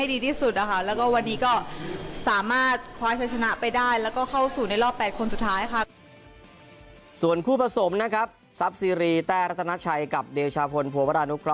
ได้ค่อนข้างที่จะผิดพลาดบ้าง